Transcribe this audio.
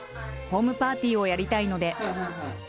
ホームパーティーをやりたいので。